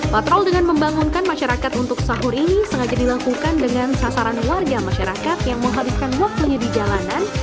patrol dengan membangunkan masyarakat untuk sahur ini sengaja dilakukan dengan sasaran warga masyarakat yang menghabiskan waktunya di jalanan